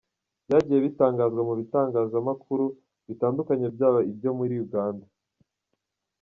byagiye bitangazwa mu bitangazamakuru bitandukanye byaba ibyo muri Uganda no.